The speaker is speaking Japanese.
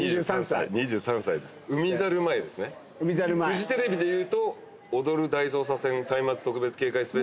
フジテレビでいうと。